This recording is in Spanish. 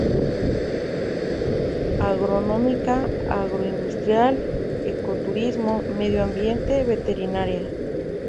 Agronómica, Agroindustrial, Ecoturismo, Medio Ambiente, Veterinaria.